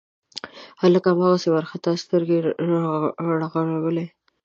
هلک هماغسې وارخطا سترګې رغړولې.